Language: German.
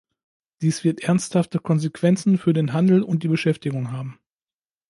Dies wird ernsthafte Konsequenzen für den Handel und die Beschäftigung haben.